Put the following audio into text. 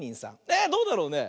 えどうだろうね？